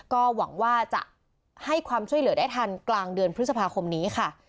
ก็หวังว่าจะให้ความช่วยเหลือได้ทันกลางเดือนพฤษภาคมนี้ค่ะ